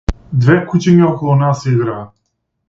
Две кучиња околу нас играа.